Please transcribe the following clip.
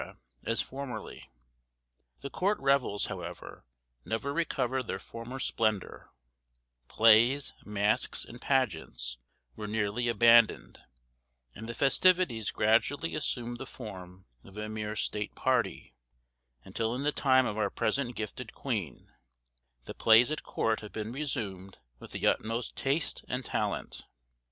as formerly. The court revels, however, never recovered their former splendour; plays, masks, and pageants were nearly abandoned, and the festivities gradually assumed the form of a mere state party, until in the time of our present gifted queen, the plays at court have been resumed with the utmost taste and talent.